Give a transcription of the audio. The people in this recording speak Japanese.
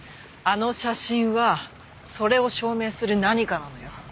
あの写真はそれを証明する何かなのよ。